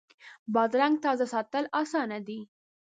بادرنګ تازه ساتل اسانه دي.